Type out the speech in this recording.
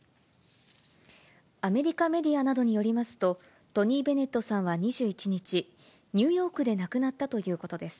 アメリカメディアなどによりますと、トニー・ベネットさんは２１日、ニューヨークで亡くなったということです。